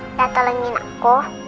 sudah tolong aku